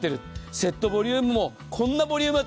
セットボリュームもこんなボリューム。